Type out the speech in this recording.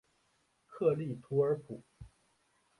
克利图尔普。